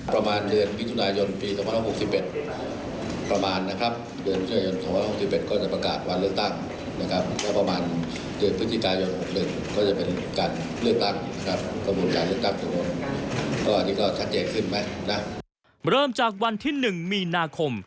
เริ่มจากวันที่๑มีนาคม